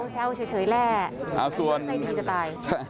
แซวเฉยแหละใจดีจะตาย